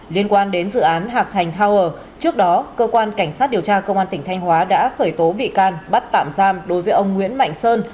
liên quan đến dự án hạc thành tower trước đó cơ quan cảnh sát điều tra công an tỉnh thanh hóa đã khởi tố bị can bắt tạm giam đối với ông nguyễn mạnh sơn